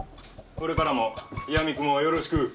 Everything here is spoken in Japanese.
これからもやみくもをよろしく。